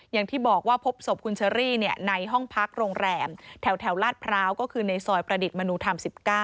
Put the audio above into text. อย่างที่บอกว่าพบศพคุณเชอรี่ในห้องพักโรงแรมแถวลาดพร้าวก็คือในซอยประดิษฐ์มนุธรรม๑๙